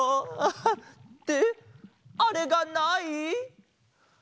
ってあれがない？